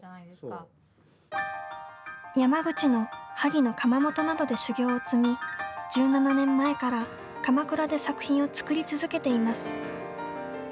山口の萩の窯元などで修業を積み１７年前から鎌倉で作品を作り続けています。